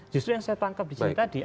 justru yang saya tangkap tadi